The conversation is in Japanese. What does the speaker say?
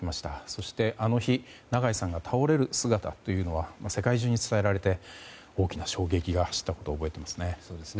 そして、あの日長井さんが倒れる姿というのは世界中に伝えられて大きな衝撃が走ったことを覚えています。